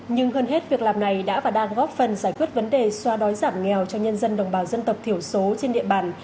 nhưng hơn hết việc làm này đã và đang góp phần giải quyết vấn đề xoa đói giảm nghèo cho nhân dân đồng bào dân tộc thiểu số trên địa bàn